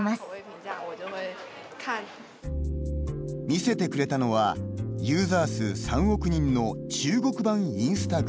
見せてくれたのは、ユーザー数３億人の中国版インスタグラム。